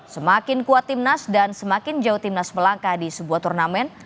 semakin kuat tim nas dan semakin jauh tim nas melangkah di sebuah turnamen